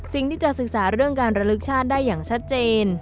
สิ่งที่จะศึกษาเรื่องการระลึกชาติได้อย่างชัดเจน